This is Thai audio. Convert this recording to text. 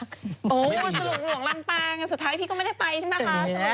โอ้โหสรุปหลวงลำปางสุดท้ายพี่ก็ไม่ได้ไปใช่ไหมคะ